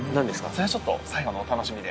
それはちょっと、最後のお楽しみで。